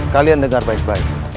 kalian dengar baik baik